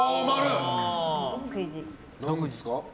何ですか？